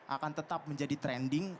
akan tetap menjadi trending